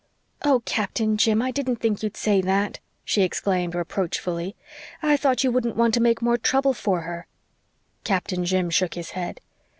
"Oh, Captain Jim, I didn't think you'd say that," she exclaimed reproachfully. "I thought you wouldn't want to make more trouble for her." Captain Jim shook his head.